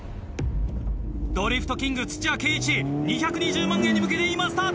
ドリフトキング土屋圭市２２０万円に向けて今スタート。